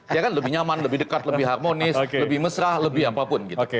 dia kan lebih nyaman lebih dekat lebih harmonis lebih mesra lebih apapun gitu